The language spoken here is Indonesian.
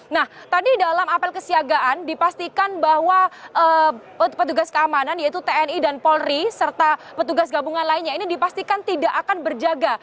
nah tadi dalam apel kesiagaan dipastikan bahwa petugas keamanan yaitu tni dan polri serta petugas gabungan lainnya ini dipastikan tidak akan berjaga